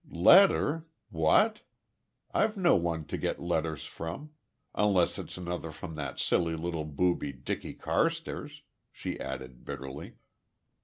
"Letter? What? I've no one to get letters from unless it's another from that silly little booby, Dicky Carstairs," she added bitterly.